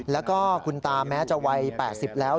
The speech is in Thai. แล้วก็คุณตาแม้จะวัย๘๐แล้ว